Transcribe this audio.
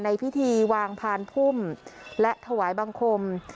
ในพิธีวางพานพุ่มและถวายบังคม